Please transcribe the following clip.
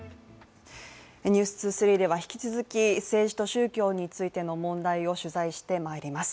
「ｎｅｗｓ２３」では引き続き政治と宗教についての問題を取材してまいります。